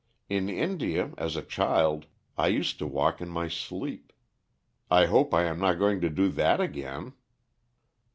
In India as a child I used to walk in my sleep. I hope I am not going to do that again."